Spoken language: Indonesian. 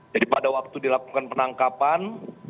jadi pada waktu dilakukan penangkapan